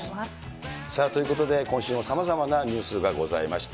ということで、今週もさまざまなニュースがございました。